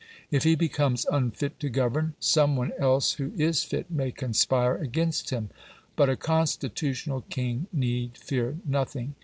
If he becomes unfit to govern, some one else who is fit may conspire against him. But a constitutional king need fear nothing.